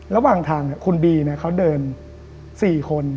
ระหว่างทางคุณบีเขาเดิน๔คน